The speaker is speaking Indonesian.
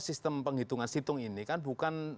sistem penghitungan situng ini kan bukan